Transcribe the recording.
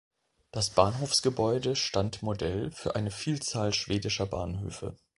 Das Bahnhofsgebäude stand Modell für eine Vielzahl schwedischer Bahnhöfe.